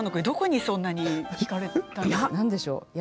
どこにそんなに引かれたんでしょう？